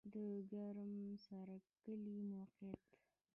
د ګرم سر کلی موقعیت